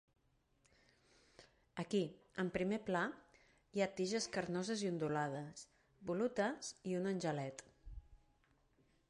Aquí, en primer pla, hi ha tiges carnoses i ondulades, volutes i un angelet.